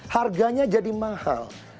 harganya jadi mahal